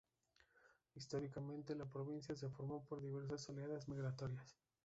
Históricamente, la provincia se formó por diversas oleadas migratorias.